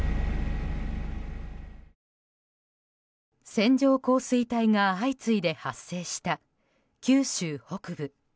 線状降水帯が相次いで発生した九州北部。